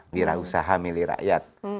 wira usaha milirakyat